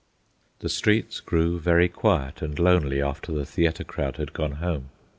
The streets grew very quiet and lonely after the theatre crowd had gone home.